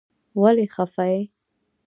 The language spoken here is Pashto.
ولې خفه يې.